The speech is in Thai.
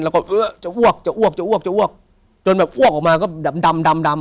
แล้วก็เอื้อจะอ้วกจะอ้วกจะอ้วกจะอ้วกจนแบบอ้วกออกมาก็ดำดำดำ